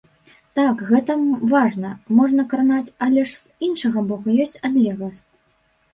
Так, гэта важна, можа кранаць, але з іншага бока ёсць адлегласць.